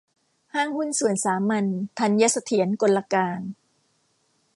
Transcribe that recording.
ห้างหุ้นส่วนสามัญ ธัญเสถียรกลการ